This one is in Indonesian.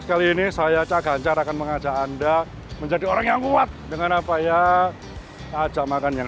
kali ini saya caganjar akan mengajak anda menjadi orang yang kuat dengan apa ya ajak makan yang